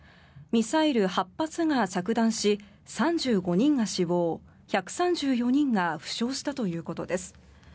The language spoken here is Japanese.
ミサイル８発が着弾し３５人が死亡１３４人が負傷したということです。